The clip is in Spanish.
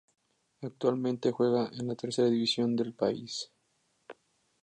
Actualmente juega en la tercera división del país.